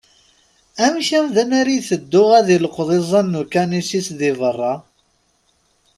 Amek amdan ad iteddu ad ileqqeḍ iẓẓan n ukanic-is di beṛṛa?